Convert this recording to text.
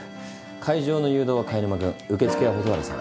会場の誘導は貝沼君受付は蛍原さん。